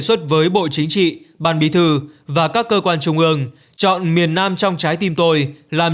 xuất với bộ chính trị ban bí thư và các cơ quan trung ương chọn miền nam trong trái tim tôi làm